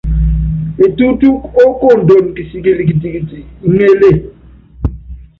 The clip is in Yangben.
Etútúk ókondon kisikɛl kitikit iŋélé.